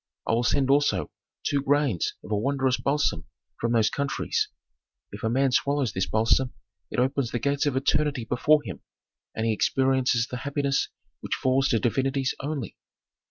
I will send also two grains of a wondrous balsam from those countries; if a man swallows this balsam, it opens the gates of eternity before him, and he experiences the happiness which falls to divinities only."